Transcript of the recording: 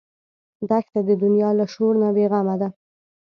دښته د دنیا له شور نه بېغمه ده.